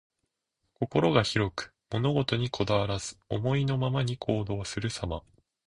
心が広く、物事にこだわらず、思いのままに行動するさま。